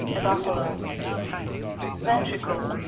A buffo lo. VENTRICLE.